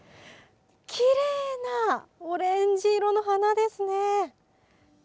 きれいなオレンジ色の花ですね。